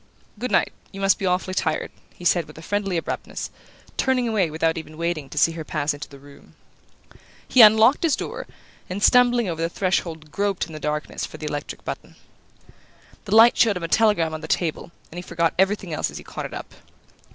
"Good night; you must be awfully tired," he said with a friendly abruptness, turning away without even waiting to see her pass into her room. He unlocked his door, and stumbling over the threshold groped in the darkness for the electric button. The light showed him a telegram on the table, and he forgot everything else as he caught it up.